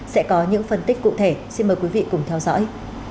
sẽ có những phân tích cụ thể xin mời quý vị cùng theo dõi